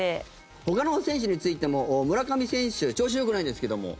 ほかの選手についても村上選手調子よくないんですけども。